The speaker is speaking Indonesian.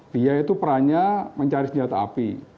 dia itu perannya mencari senjata api